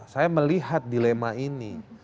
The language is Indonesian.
saya melihat dilema ini